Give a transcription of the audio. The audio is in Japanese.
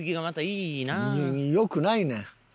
よくないねん。